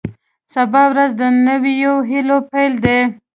سبا ورځ د نویو هیلو پیل دی.